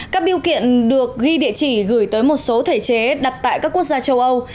các biêu kiện được ghi địa chỉ gửi tới một số thể chế đặt tại các quốc gia châu âu